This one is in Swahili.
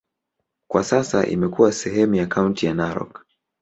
Kwa sasa imekuwa sehemu ya kaunti ya Narok.